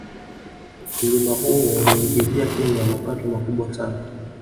Mlima huo umeiingizia kenya mapato makubwa sana